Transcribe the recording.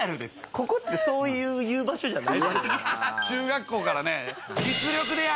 ここって、そういう言う場所じゃない。